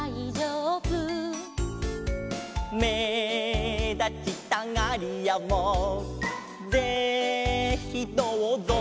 「めだちたがりやもぜひどうぞ」